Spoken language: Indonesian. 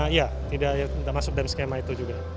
iya tidak termasuk dalam skema itu juga